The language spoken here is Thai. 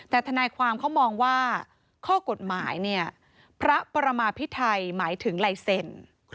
แต่ทนายความเขามองว่าข้อกฎหมายเนี่ยพระประมาพิไทยหมายถึงลายเซ็น